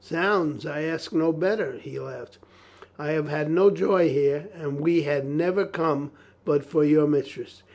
"Zounds, I ask no better," he laughed. "I have had no joy here, and we had never come but for you, mistress."